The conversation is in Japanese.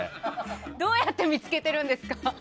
どうやって見つけてるんですか。